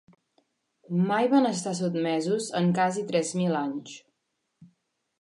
Mai van estar sotmesos en quasi tres mil anys.